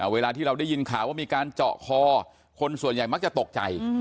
เวลาที่เราได้ยินข่าวว่ามีการเจาะคอคนส่วนใหญ่มักจะตกใจ